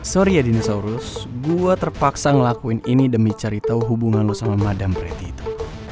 sorry ya dinosaurus gue terpaksa ngelakuin ini demi cari tahu hubungan lo sama madamprety itu